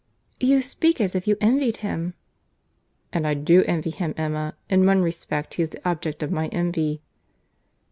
"You speak as if you envied him." "And I do envy him, Emma. In one respect he is the object of my envy."